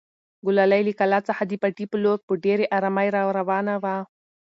ګلالۍ له کلا څخه د پټي په لور په ډېرې ارامۍ راروانه وه.